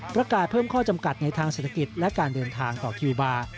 ประกาศเพิ่มข้อจำกัดในทางเศรษฐกิจและการเดินทางต่อคิวบาร์